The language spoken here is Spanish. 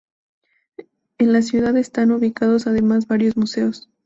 En la ciudad están ubicados además varios museos.